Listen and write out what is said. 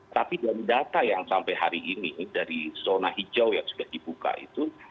tapi dari data yang sampai hari ini dari zona hijau yang sudah dibuka itu